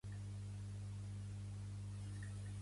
Sergi Arola és un xef nascut a Barcelona.